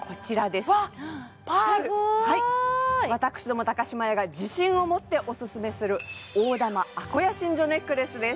すごいはい私ども島屋が自信を持ってオススメする大珠あこや真珠ネックレスです